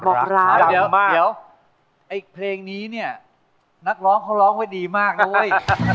เดี๋ยวเพลงนี้เนี่ยนคร้องเขาร้องแบบดีมากเลย